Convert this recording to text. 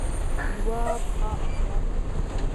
يوه پښه او دوه پښې